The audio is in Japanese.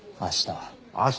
明日。